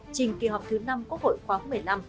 trình kỳ họp thứ năm quốc hội khoáng một mươi năm